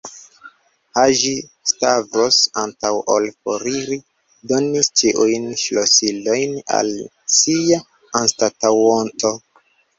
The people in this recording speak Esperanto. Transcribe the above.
Haĝi-Stavros, antaŭ ol foriri, donis ĉiujn ŝlosilojn al sia anstataŭonto.